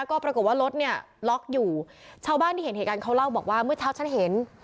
ก็ปรากฏว่ารถเนี่ยล็อกอยู่ชาวบ้านที่เห็นเหตุการณ์เขาเล่าบอกว่าเมื่อเช้าฉันเห็น